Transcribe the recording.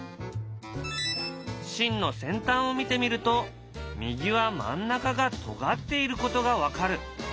芯の先端を見てみると右は真ん中がとがっていることが分かる。